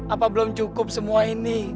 apa belum cukup semua ini